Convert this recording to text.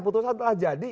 putusan telah jadi